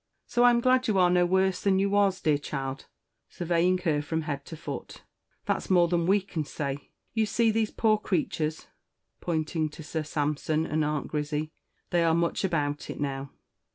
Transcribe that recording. "So I'm glad you are no worse than you was, dear child," surveying her from head to foot; "that's more than we can say. You see these poor creatures," pointing to Sir Sampson and Aunt Grizzy. "They are much about it now.